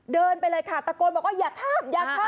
เดินไปเลยค่ะตะโกนอย่าขับอย่าขับ